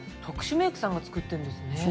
特殊メイクさんが作ってるんですね。